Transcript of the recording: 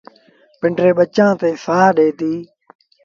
پنڊري ٻچآݩ تي سآه ڏي ديٚ۔